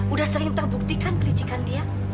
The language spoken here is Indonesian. udah sering terbuktikan kericikan dia